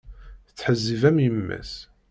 Tettḥezzib am yemma-s.